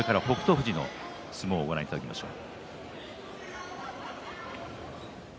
富士の相撲をご覧いただきましょう。